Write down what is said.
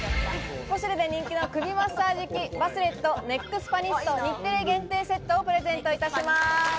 ポシュレで人気の首マッサージ器バスレットネックスパニスト日テレ限定セットをプレゼントいたします。